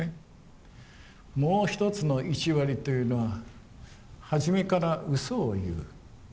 もう一つの１割というのは初めからうそを言う。